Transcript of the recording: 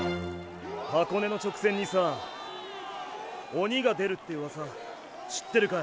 箱根の直線にさ鬼が出るってウワサ知ってるかい。